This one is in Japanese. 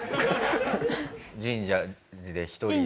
神社で一人で？